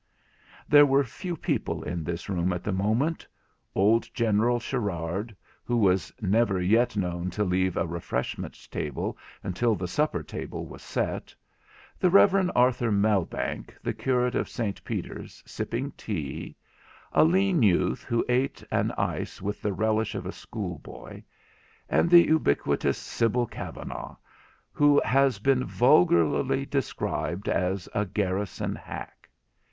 There were few people in this room at the moment—old General Sharard, who was never yet known to leave a refreshment table until the supper table was set; the Rev. Arthur Mellbank, the curate of St Peter's, sipping tea; a lean youth who ate an ice with the relish of a schoolboy; and the ubiquitous Sibyl Kavanagh, who has been vulgarly described as a garrison hack.